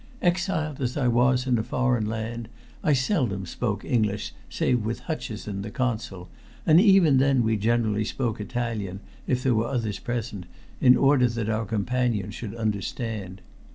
Exiled as I was in a foreign land, I seldom spoke English save with Hutcheson, the Consul, and even then we generally spoke Italian if there were others present, in order that our companions should understand.